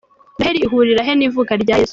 Noheli ihurira he n’ivuka rya Yezu?.